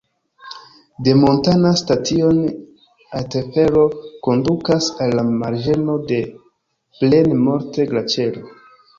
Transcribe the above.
De Montana-Station aertelfero kondukas al la marĝeno de Plaine-Morte-Glaĉero.